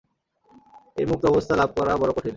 এই মুক্ত অবস্থা লাভ করা বড় কঠিন।